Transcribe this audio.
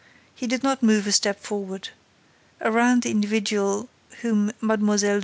He did not move a step forward. Around the individual whom Mlle.